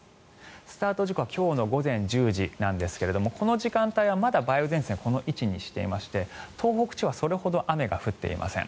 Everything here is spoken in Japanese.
スタート時間は今日の午前１０時なんですがこの時間帯はまだ梅雨前線はこの位置にいまして東北地方はそれほど雨が降っていません。